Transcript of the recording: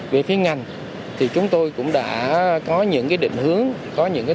về phía ngành chúng tôi cũng đã có những định hướng